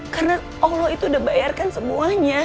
karena allah itu udah bayarkan semuanya